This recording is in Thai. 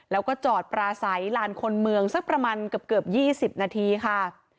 แล้วก็จอดปราศัยลานคนเมืองสักประมาณเกือบ๒๐นาทีค่ะ